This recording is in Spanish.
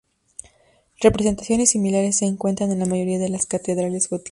Representaciones similares se encuentran en la mayoría de las Catedrales Góticas.